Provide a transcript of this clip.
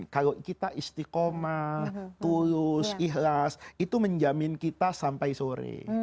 kalau kita istiqomah tulus ikhlas itu menjamin kita sampai sore